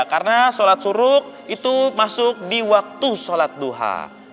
karena sholat surut itu masuk di waktu sholat duha